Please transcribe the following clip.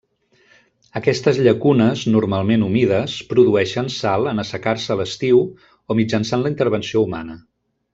Aquestes llacunes, normalment humides, produeixen sal en assecar-se a l'estiu o mitjançant la intervenció humana.